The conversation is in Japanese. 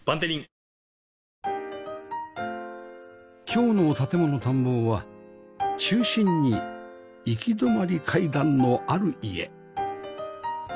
今日の『建もの探訪』は中心に行き止まり階段のある家